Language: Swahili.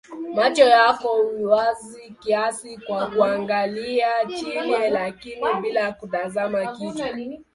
Macho yako wazi kiasi kwa kuangalia chini lakini bila kutazama kitu.